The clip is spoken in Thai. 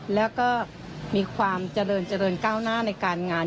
แล้วก็มีความเจริญเจริญก้าวหน้าในการงาน